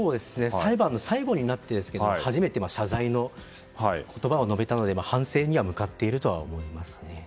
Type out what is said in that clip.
裁判の最後になって初めて謝罪の言葉を述べたので、反省には向かっているとは思いますね。